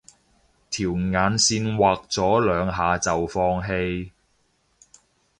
條眼線畫咗兩下就放棄